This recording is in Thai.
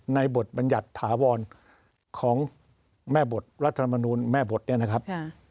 บทบรรยัติถาวรของแม่บทรัฐธรรมนูลแม่บทเนี่ยนะครับ